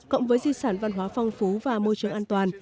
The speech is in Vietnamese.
cộng với di sản văn hóa phong phú và môi trường an toàn